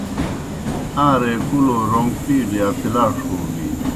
آن٘رے کُلو رون٘گ پِیلو یا پلاݜوْ ہو بِینوْ۔